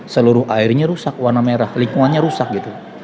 seluruh airnya rusak warna merah lingkungannya rusak gitu